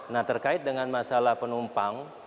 nah terkait dengan masalah penumpang